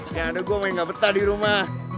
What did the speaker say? ya udah gue main gak betah di rumah